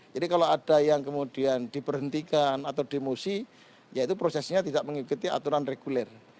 jadi kalau ada yang kemudian diperhentikan atau dimusi ya itu prosesnya tidak mengikuti aturan reguler